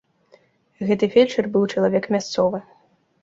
Гэты фельчар быў чалавек мясцовы.